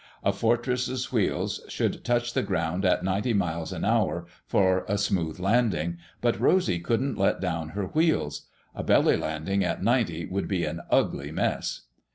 A Fortress's wheels should touch the ground at ninety miles an hour, for a smooth landing; but Rosy couldn't let down her wheels. A belly landing at ninety would be an ugly mess.